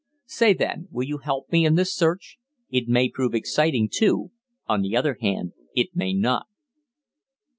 Say, then, will you help me in this search? It may prove exciting too; on the other hand, it may not."